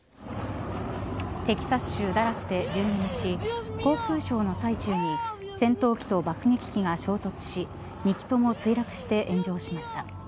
テキサス州ダラスで１２日航空ショーの最中に戦闘機と爆撃機が衝突し２機とも墜落して炎上しました。